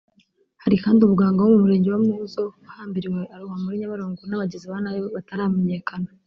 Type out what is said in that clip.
Hari kandi umuganga wo mu Murenge wa Muzo wahambiriwe arohwa muri Nyabarongo n'abagizi ba nabi bataramenyekana